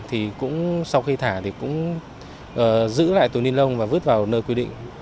thì cũng sau khi thả thì cũng giữ lại túi ni lông và vứt vào nơi quy định